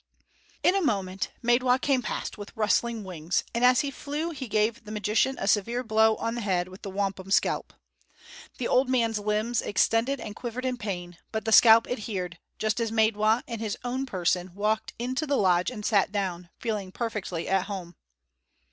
In a moment Maidwa came past with rustling wings, and as he flew he gave the magician a severe blow on the head with the wampum scalp. The old man's limbs extended and quivered in pain, but the scalp adhered, just as Maidwa, in his own person, walked into the lodge and sat down, feeling perfectly at home.